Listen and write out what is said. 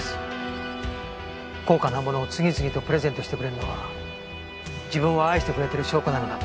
高価な物を次々とプレゼントしてくれるのは自分を愛してくれてる証拠なのだと。